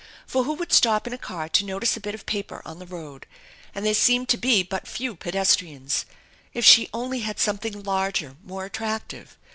For who would stop in a car to notice a bit of paper on the road ? And there seemed to be but few pedestrians. If she only had something larger, more attractive.